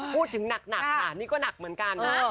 พูดถึงหนักค่ะนี่ก็หนักเหมือนกัน